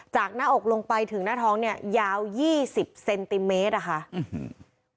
หน้าอกลงไปถึงหน้าท้องเนี่ยยาวยี่สิบเซนติเมตรอะค่ะอื้อหือ